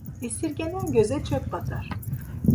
Esirgenen göze çöp batar.